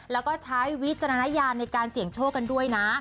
แล้วก็ใช้วิจารณญาณในการเสี่ยงโชคกันด้วยนะ